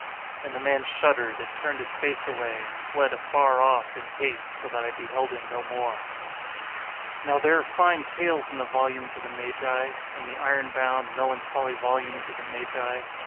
And the man shuddered, and turned his face away, and fled afar off, in haste, so that I beheld him no more." Now there are fine tales in the volumes of the Magi—in the iron bound, melancholy volumes of the Magi.